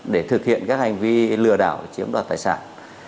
để thực hiện các hành vi lừa đảo chiếm đoạt tài sản